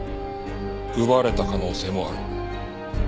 奪われた可能性もある。